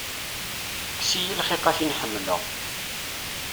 Kkes-iyi lxiq a tin ḥemmleɣ.